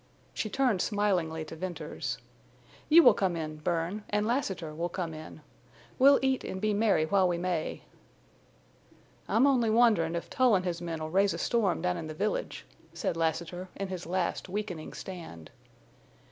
She turned smilingly to Venters. "You will come in, Bern, and Lassiter will come in. We'll eat and be merry while we may." "I'm only wonderin' if Tull an' his men'll raise a storm down in the village," said Lassiter, in his last weakening stand.